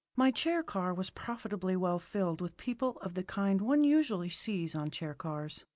My chair car was profitably well filled with people of the kind one usually sees on chair cars.